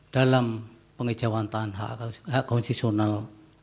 dalam pengejauhan tahan hak hak konsesional